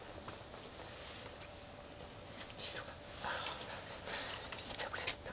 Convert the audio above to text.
ひどかった。